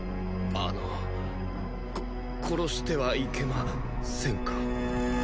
あのこ殺してはいけませんか？